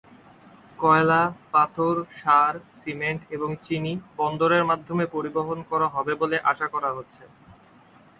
কয়লা, পাথর, সার, সিমেন্ট এবং চিনি বন্দরের মাধ্যমে পরিবহন করা হবে বলে আশা করা হচ্ছে।